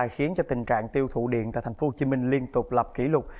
tình trạng tiêu thụ điện tại tp hcm liên tục lập kỷ lục